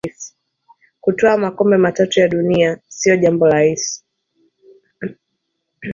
Kutwaa makombe matatu ya Kombe la dunia sio jambo rahisi